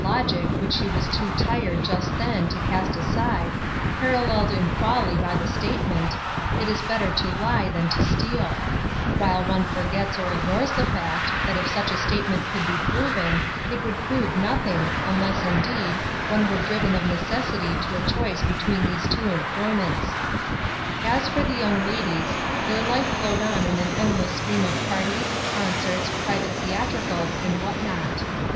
151 logic which she was too tired, just then, to cast aside, paralleled in folly by the statement, " It is better to lie than to steal ;" while one forgets or ignores the fact that if such a statement could be proven, it would prove nothing, unless, indeed, one were driven of necessity to a choice between those two employments. As for the young ladies, their life flowed on in an endless stream of parties, concerts, private theatricals, and what not.